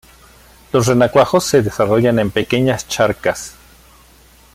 Los renacuajos se desarrollan en pequeñas charcas.